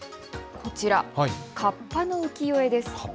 こちら、かっぱの浮世絵です。